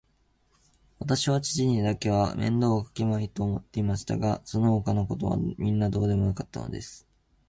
わたしは父にだけは面倒をかけまいと思っていましたが、そのほかのことはみんなどうでもよかったのです。